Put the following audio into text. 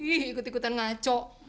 ih ikutan ikutan ngaco